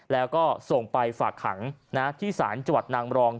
แล้วก็ส่งไปฝากขังที่ศาลจังหวัดนางรอง